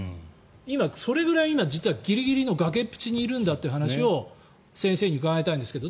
今、それぐらいギリギリの崖っぷちにいるんだという話を先生に伺いたいんですけど。